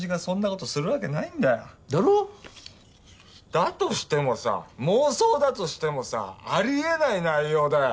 だとしてもさ妄想だとしてもさあり得ない内容だよ。